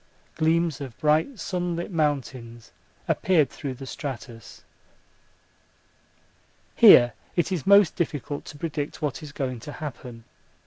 Gleams of bright sunlit mountains appeared through the stratus. Here it is most difficult to predict what is going to happen.